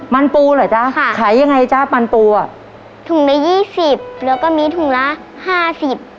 มันปูเหรอจ๊ะค่ะขายยังไงจ๊ะมันปูอ่ะถุงละยี่สิบแล้วก็มีถุงละห้าสิบ